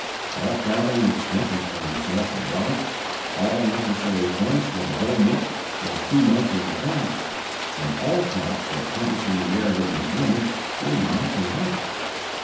All travelling expenses for himself and wife, all necessary funds for the home work for two months in advance, and all costs of publishing the Narrative in German, were now provided.